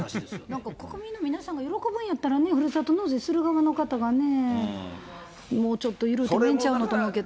なんか国民の皆さんが喜ぶんだったらね、ふるさと納税する側の方がね、もうちょっと緩くてもいいんちゃうのって思うけど。